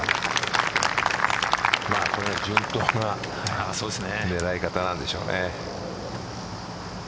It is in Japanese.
順当な狙い方なんでしょうね。